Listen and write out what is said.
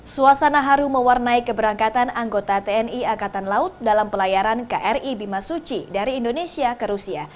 suasana haru mewarnai keberangkatan anggota tni angkatan laut dalam pelayaran kri bimasuci dari indonesia ke rusia